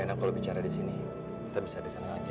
kita bisa bicara di sini kita bisa di sana aja ya